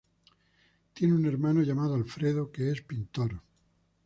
Tiene un hermano llamado Alfredo que es pintor.